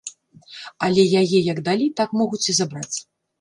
Але яе як далі, так могуць і забраць.